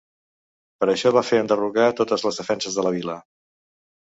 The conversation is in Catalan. Per això va fer enderrocar totes les defenses de la vila.